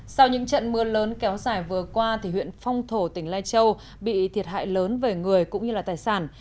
sau những trận mưa lớn kéo dài vừa qua huyện phong thổ tỉnh lai châu bị thiệt hại lớn về người cũng như tài sản